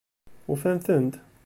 Ufan-tent?